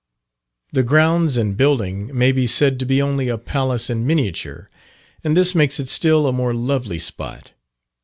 The grounds and building may be said to be only a palace in miniature, and this makes it still a more lovely spot.